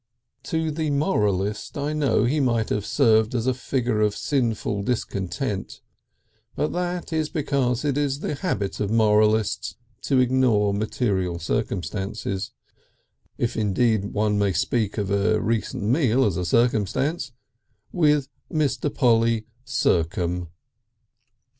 To the moralist I know he might have served as a figure of sinful discontent, but that is because it is the habit of moralists to ignore material circumstances, if indeed one may speak of a recent meal as a circumstance, with Mr. Polly circum.